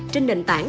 trên nền tảng